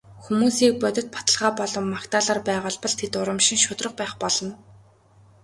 Хүмүүсийг бодит баталгаа болон магтаалаар байгуулбал тэд урамшин шударга байх болно.